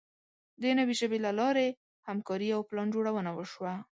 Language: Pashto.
د نوې ژبې له لارې همکاري او پلانجوړونه وشوه.